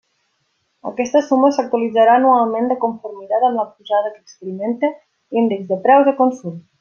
Aquesta suma s'actualitzarà anualment de conformitat amb la pujada que experimente l'índex de preus de consum.